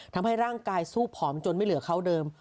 ทำให้ร่างกายสู้ผอมจนไม่เหลือเขาเดิม